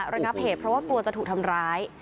ระงับเหตุเพราะว่ากลัวจะถูกทำร้าย